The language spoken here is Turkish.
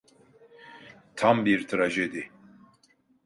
Tam bir trajedi.